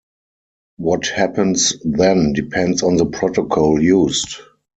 What happens then depends on the protocol used.